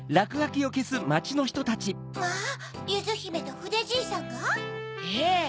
まぁ！ゆずひめとふでじいさんが？ええ！